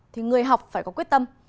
thì người học phải có quyết tâm